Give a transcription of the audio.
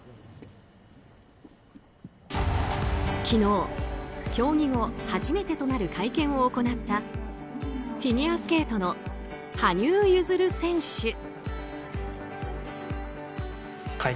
昨日、競技後初めてとなる会見を行ったフィギュアスケートの羽生結弦選手。